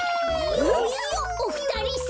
よおよおおふたりさん。